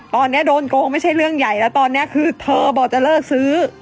ตอนนี้โดนโกงไม่ใช่เรื่องใหญ่แล้วตอนนี้คือเธอบอกจะเลิกซื้อ